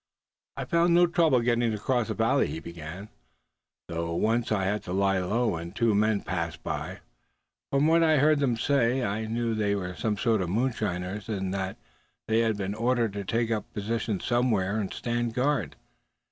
"I found no trouble getting across the valley," he began; "though once I had to lie low, when two men passed by. From what I heard them say, I knew they were some of the moonshiners, and that they had been ordered to take up positions somewhere, and stand guard.